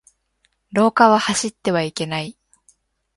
廊下は走ってはいけない。